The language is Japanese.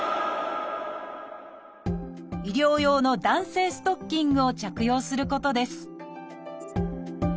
医療用の弾性ストッキングを着用することです